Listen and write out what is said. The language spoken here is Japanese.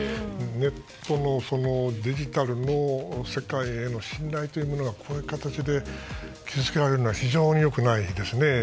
ネットの、デジタルの世界への信頼というものがこういう形で傷つけられるのは非常に良くないですね。